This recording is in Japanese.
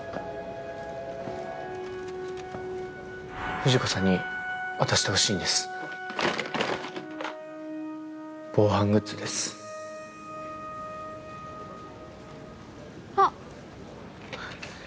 藤子さんに渡してほしいんで防犯グッズですあっ。